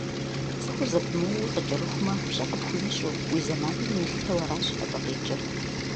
Цӏыхур зэпымыууэ къыкӏэрыхумэ, пщӏэ къыпхуимыщӏу, уи зэманыр имылъытэу аращ абы къикӏыр.